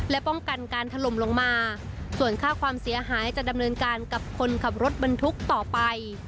และป้องกันการถล่มลงมาส่วนค่าความเสียหายจะดำเนินการกับคนขับรถบรรทุกต่อไป